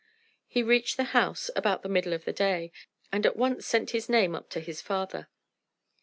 He reached the house about the middle of the day, and at once sent his name up to his father.